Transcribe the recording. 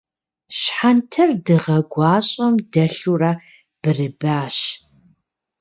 Щхьэнтэр дыгъэ гуащӏэм дэлъурэ бырыбащ.